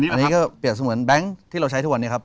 อันนี้ก็เปรียบเสมือนแบงค์ที่เราใช้ทุกวันนี้ครับ